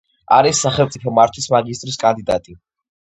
არის სახელმწიფო მართვის მაგისტრის კანდიდატი.